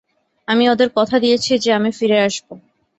আমি ওদের কথা দিয়েছি যে আমি ফিরে আসব।